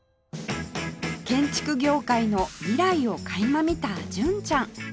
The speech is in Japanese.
建築業界の未来を垣間見た純ちゃん